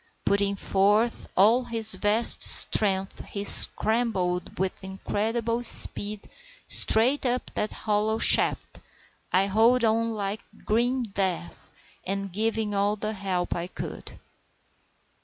Putting forth all his vast strength he scrambled with incredible speed straight up that hollow shaft, I holding on like grim death, and giving all the help I could.